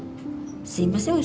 すいません